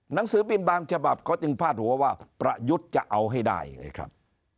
หนังสือปิบาณ์จบับเค้าจึงพลาดหัวว่าประยุทธ์จะเอาให้ได้เลยครับ